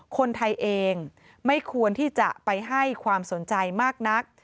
คนไทยเองไม่ควรที่จะไปให้ความสนใจมากนัก